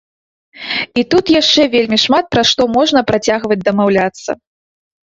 І тут яшчэ вельмі шмат пра што можна працягваць дамаўляцца.